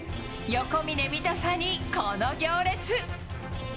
横峯見たさにこの行列。